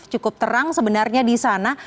cukup terang sebenarnya di sana